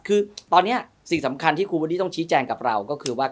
คือตอนนี้สิ่งสำคัญที่คุณวันนี้ต้องชี้แจงกับเราก็คือว่า